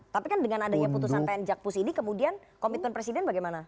tapi kan dengan adanya putusan pn jakpus ini kemudian komitmen presiden bagaimana